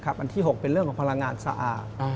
อันที่๖เป็นเรื่องของพลังงานสะอาด